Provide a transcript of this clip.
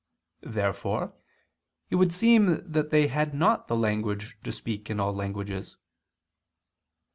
Therefore it would seem that they had not the knowledge to speak in all languages.